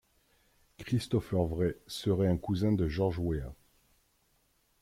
Christopher Wreh serait un cousin de George Weah.